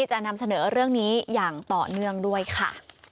จะนำเสนอเรื่องนี้อย่างต่อเนื่องด้วยค่ะ